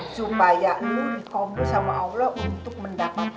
supaya lo dikobrol sama allah untuk mendapatkan anak